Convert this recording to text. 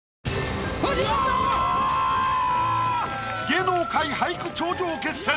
芸能界俳句頂上決戦。